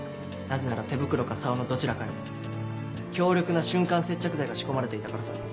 なぜなら手袋か竿のどちらかに強力な瞬間接着剤が仕込まれていたからさ。